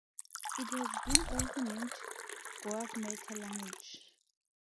It has been also named "Graph Meta Language".